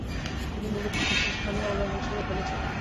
তিনি মূলতঃ শীর্ষস্থানীয় অল-রাউন্ডার হিসেবে খেলেছেন।